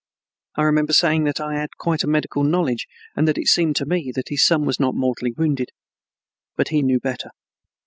I remember saying that I had quite a medical knowledge and that it seemed to me that his son was not mortally wounded. But he knew better.